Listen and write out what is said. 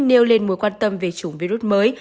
nêu lên mối quan tâm về chủng virus mới